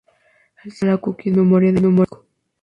El cliente guarda la cookie en memoria o en disco.